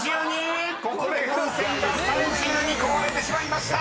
ここで風船が３２個割れてしまいました］